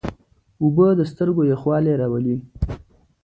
اوبه د سترګو یخوالی راولي.